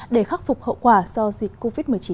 để khắc phục hậu quả do dịch covid một mươi chín gây ra